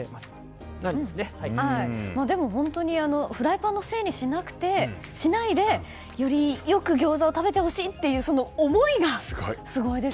本当にフライパンのせいにしないでより良くギョーザを食べてほしいというその思いがすごいですね。